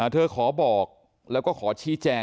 เธอขอบอกแล้วก็ขอชี้แจง